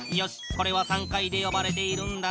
これは３階でよばれているんだな。